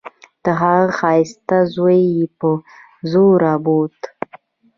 د هغه ښايسته زوى يې په زوره بوت.